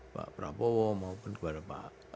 pak prabowo maupun kepada pak